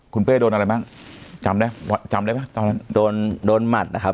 คุณเป้โดนอะไรบ้างจำได้จำได้ป่ะตอนนั้นโดนโดนหมัดนะครับ